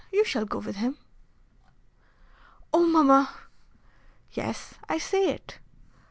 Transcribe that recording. You shall go with him." "Oh! mamma!" "Yes, I say it."